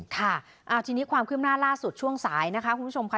ค่ะทีนี้ความคืบหน้าล่าสุดช่วงสายนะคะคุณผู้ชมค่ะ